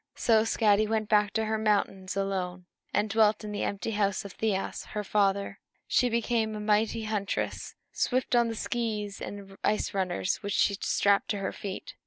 So Skadi went back to her mountains alone, and dwelt in the empty house of Thiasse, her father. She became a mighty huntress, swift on the skees and ice runners which she strapped to her feet.